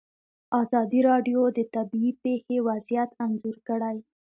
ازادي راډیو د طبیعي پېښې وضعیت انځور کړی.